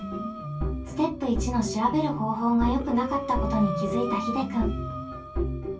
ステップ１の「調べる方法」がよくなかったことに気付いたひでくん。